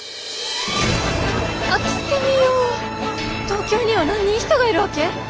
東京には何人人がいるわけ？